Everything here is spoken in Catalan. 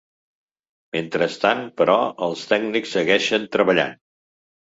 Mentrestant, però, els tècnics segueixen treballant.